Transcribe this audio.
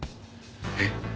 えっ！？